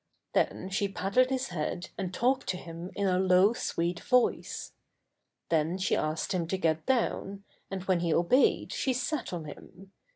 Then she patted his head and talked to him in a low, sweet voice. Then she asked him to get down, and when he obeyed she sat on him.